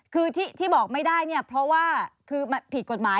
คือที่บอกไม่ได้เนี่ยเพราะว่าคือผิดกฎหมาย